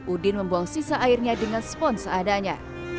udin membuang sisa airnya dengan spon seadanya